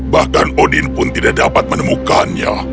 bahkan odin pun tidak dapat menemukannya